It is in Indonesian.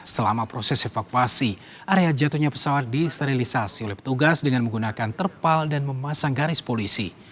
selama proses evakuasi area jatuhnya pesawat disterilisasi oleh petugas dengan menggunakan terpal dan memasang garis polisi